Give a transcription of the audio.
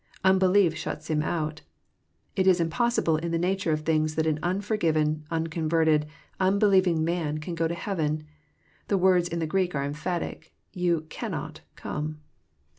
Unbelief shuts him oat. It is impossible in the nature of things that an unforgiven, unconverted, unbelieving man can go to heaven. The words in Greek are emphatic, —Ye cannot come."